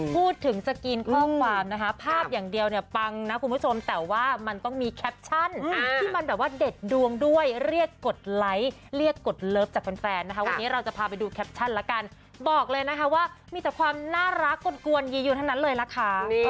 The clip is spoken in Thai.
พูดถึงสกรีนข้อความนะคะภาพอย่างเดียวเนี่ยปังนะคุณผู้ชมแต่ว่ามันต้องมีแคปชั่นที่มันแบบว่าเด็ดดวงด้วยเรียกกดไลค์เรียกกดเลิฟจากแฟนนะคะวันนี้เราจะพาไปดูแคปชั่นละกันบอกเลยนะคะว่ามีแต่ความน่ารักกลวนยียูทั้งนั้นเลยล่ะค่ะ